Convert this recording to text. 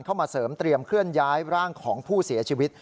เข้ามาเสริมเตรียมเคลื่อนย้ายร่างของผู้เสียชีวิต